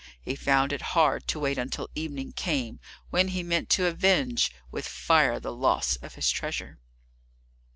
He found it hard to wait until evening came, when he meant to avenge with fire the loss of his treasure.